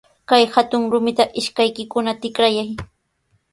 Kay hatun rumita ishkaykikuna tikrayay.